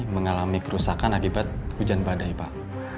mengalami kerusakan akibat hujan badai pak